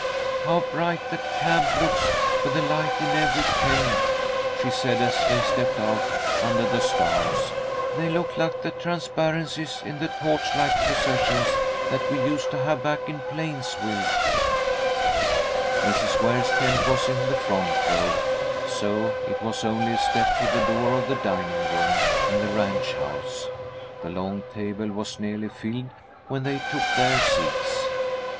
"How bright the camp looks with a light in every tent," she said, as they stepped out under the stars. "They look like the transparencies in the torchlight processions, that we used to have back in Plainsville." Mrs. Ware's tent was in the front row, so it was only a step to the door of the dining room in the ranch house. The long table was nearly filled when they took their seats.